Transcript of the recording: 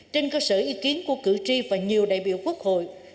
trên cơ sở ý kiến của cử tri và nhiều đại biểu quốc hội